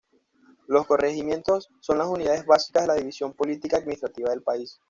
Los Corregimientos son las unidades básicas de la división política administrativa del país.